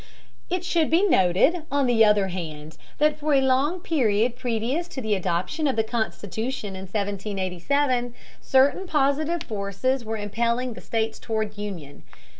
It should be noted, on the other hand, that for a long period previous to the adoption of the Constitution of 1787, certain positive forces were impelling the states toward union.